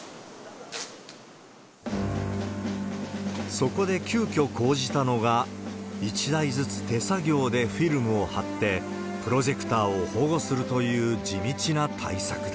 そこで急きょ講じたのが、１台ずつ手作業でフィルムを貼ってプロジェクターを保護するという地道な対策だ。